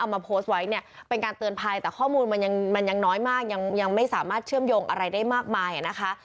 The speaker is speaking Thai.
มันยังน้อยมากยังไม่สามารถเชื่อมโยงอะไรได้มากมายนะคะ